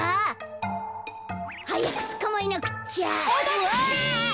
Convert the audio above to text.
うわ。